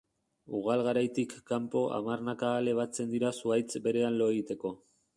Ugal-garaitik kanpo hamarnaka ale batzen dira zuhaitz berean lo egiteko.